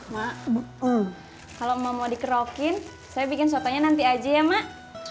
mak kalau mau dikerokin saya bikin sotonya nanti aja ya mak